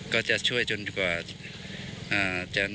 ก็จะช่วยจนกว่าน้องจะออกมา